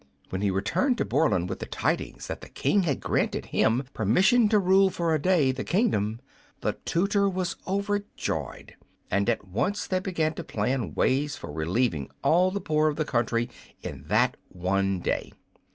When he returned to Borland with the tidings that the King had granted him permission to rule for a day the kingdom, the tutor was overjoyed, and at once they began to plan ways for relieving all the poor of the country in that one day.